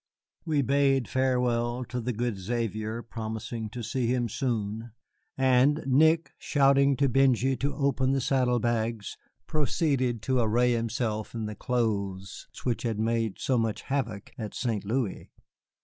We bade farewell to the good Xavier, promising to see him soon; and Nick, shouting to Benjy to open the saddle bags, proceeded to array himself in the clothes which had made so much havoc at St. Louis.